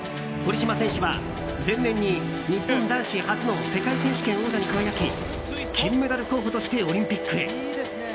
堀島選手は前年に、日本男子初の世界選手権王者に輝き金メダル候補としてオリンピックへ。